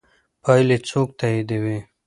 پایلې څوک تاییدوي؟